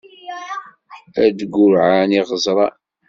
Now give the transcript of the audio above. Ad d-ggurɛen iɣeẓṛan.